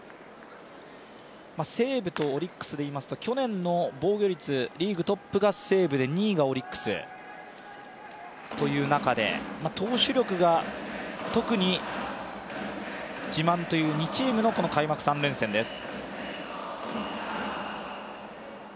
西武とオリックスでいいますと去年の防御率、リーグトップが西武で２位がオリックスという中で、投手力が特に自慢という２チームの、この開幕３連戦です。